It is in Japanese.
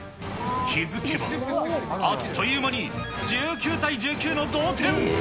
気付けば、あっという間に１９対１９の同点。